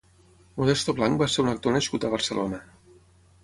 Modesto Blanch va ser un actor nascut a Barcelona.